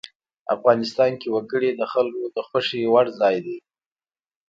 افغانستان کې وګړي د خلکو د خوښې وړ ځای دی.